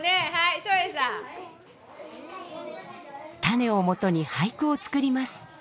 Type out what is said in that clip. タネをもとに俳句を作ります。